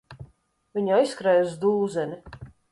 Viņi aizskrēja uz dūzeni.